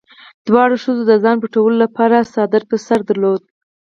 دواړو ښځو د ځان پټولو لپاره څادري په سر درلوده.